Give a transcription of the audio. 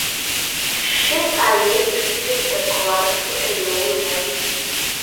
Sheep are used to keep the grass to a low level.